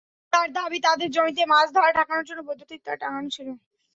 তাঁর দাবি, তাঁদের জমিতে মাছ ধরা ঠেকানোর জন্য বৈদ্যুতিক তার টাঙানো ছিল।